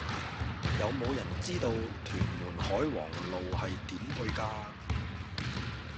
有無人知道屯門海皇路係點去㗎